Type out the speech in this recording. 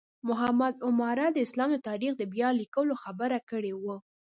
محمد عماره د اسلام د تاریخ د بیا لیکلو خبره کړې وه.